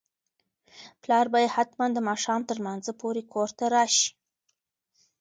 پلار به یې حتماً د ماښام تر لمانځه پورې کور ته راشي.